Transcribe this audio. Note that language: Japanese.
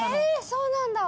そうなんだ。